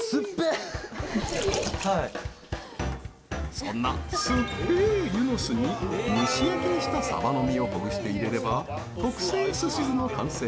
そんな、すっぺえ、ゆの酢に蒸し焼きにしたサバの身をほぐして入れれば特製寿司酢の完成！